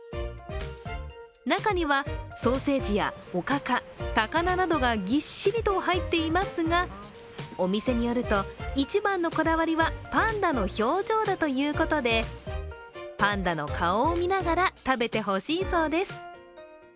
中には、ソーセージやおかか、高菜などがぎっしりと入っていますがお店によると、一番のこだわりはパンダの表情だということでパンダの顔を見ながら食べてほしいそうです。